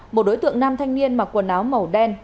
một đối tượng nam thanh niên mặc quần áo màu đen